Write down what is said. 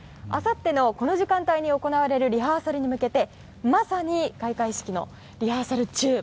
あさってのこの時間帯に行われるリハーサルに向けてまさに開会式のリハーサル中。